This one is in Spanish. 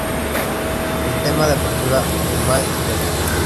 El tema de apertura "In My Dream".